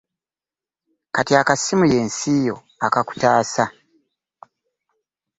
Kati akasimu y'ensi yo, akakutaasa